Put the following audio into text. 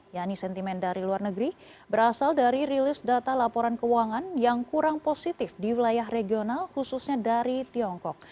yakni sentimen dari luar negeri berasal dari rilis data laporan keuangan yang kurang positif di wilayah regional khususnya dari tiongkok